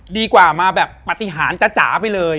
ดีกว่ามาแบบปฏิหารจ๋าไปเลย